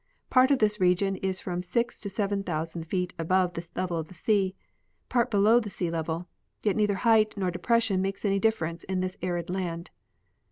Part of this region is from six to seven thousand feet above the level of the sea, part below the sea level, yet neither height nor depression makes any difference in this arid land.